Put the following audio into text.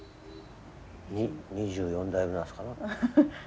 ２２４代目なんですかな？